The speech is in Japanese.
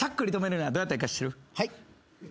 はい？